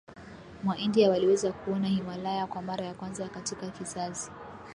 mwa India waliweza kuona Himalaya kwa mara ya kwanza katika kizazi